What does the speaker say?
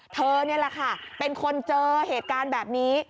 เธอนี่แหละค่ะเป็นคนเจอเหตุการณ์แบบนี้